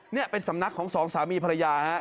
นี่เป็นสำนักของสองสามีภรรยาฮะ